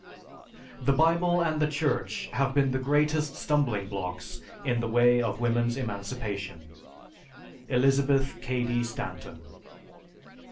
The Bible and the Church have been the greatest stumbling blocks in the way of women's emancipation. ELIZABETH CADY STANTON.